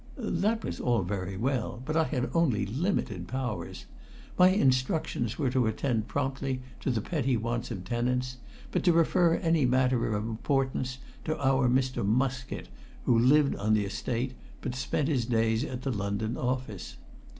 That was all very well, but I had only limited powers. My instructions were to attend promptly to the petty wants of tenants, but to refer any matter of importance to our Mr. Muskett, who lived on the Estate but spent his days at the London office.